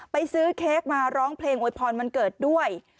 ไปซื้อเค้กมาร้องเพลงโวยพรวันเกิดด้วย